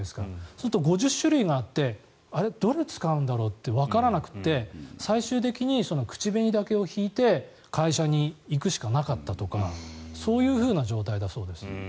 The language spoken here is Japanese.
すると、５０種類があってあれ、どれ使うんだろうってわからなくなって最終的に口紅だけを引いて会社に行くしかなかったとかそういう状態だそうです。